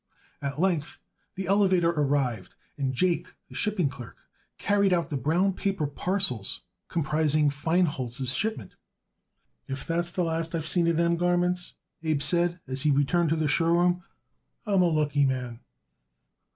At length the elevator arrived, and Jake, the shipping clerk, carried out the brown paper parcels comprising Feinholz's shipment. "If that's the last I seen of them garments," Abe said as he returned to the show room, "I'm a lucky man."